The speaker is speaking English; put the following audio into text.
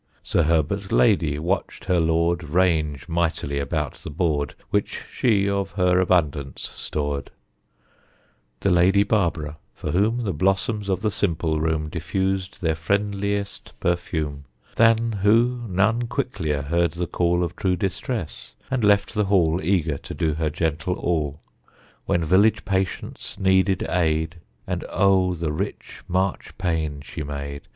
Sir Herbert's lady watched her lord Range mightily about the board Which she of her abundance stored, (The Lady Barbara, for whom The blossoms of the simple room Diffused their friendliest perfume, Than who none quicklier heard the call Of true distress, and left the Hall Eager to do her gentle all, When village patients needed aid. And O the rich Marchpane she made!